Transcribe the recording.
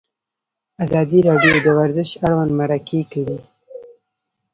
ازادي راډیو د ورزش اړوند مرکې کړي.